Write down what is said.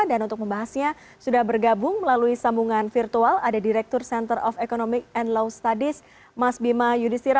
dan untuk membahasnya sudah bergabung melalui sambungan virtual ada direktur center of economic and law studies mas bima yudhistira